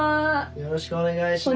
よろしくお願いします。